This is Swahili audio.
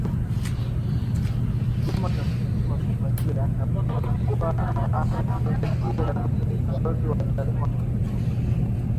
Mkulima anatarajia mavuono mazuri anapokua amezingatia kanuni na ushauri wa wataalam wa kilimo